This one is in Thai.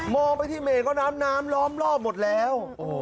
มองไปที่เมฆก็น้ำน้ำล้อมล่อมหมดแล้ว